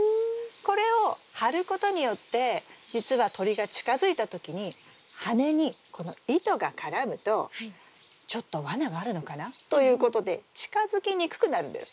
これを張ることによって実は鳥が近づいた時に羽にこの糸が絡むと「ちょっとわながあるのかな？」ということで近づきにくくなるんです。